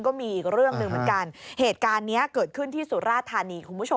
ินก็มีอีกเรื่องมันการเ฀ดการเนี้ยที่สุดราชฐานีของข้อมูลครับ